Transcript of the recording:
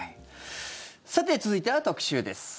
さて、続いては特集です。